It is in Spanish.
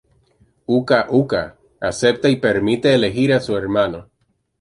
Uka Uka acepta y permite elegir a su hermano.